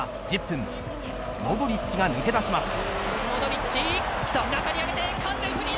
１０分、モドリッチが抜け出します。